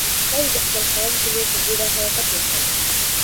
ښځې د خپل خاوند په لور په بیړه حرکت وکړ.